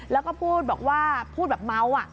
แล้วก็พูดบอกว่าพูดแบบเมา